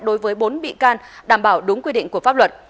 đối với bốn bị can đảm bảo đúng quy định của pháp luật